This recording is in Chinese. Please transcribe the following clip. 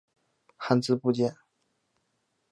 汉字部件。